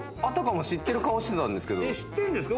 知ってんですか？